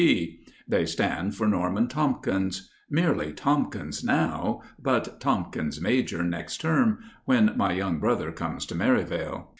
T. They stand for Norman Tomkins—merely Tomkins now, but Tomkins major next term, when my young brother comes to Merivale.